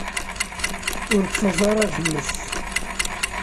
Ur ttaẓ ara ar tmes.